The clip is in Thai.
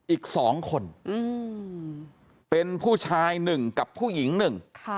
อีก๒คนเป็นผู้ชาย๑กับผู้หญิง๑ค่ะ